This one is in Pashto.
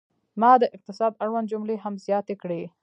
ما د اقتصاد اړوند جملې هم زیاتې کړې.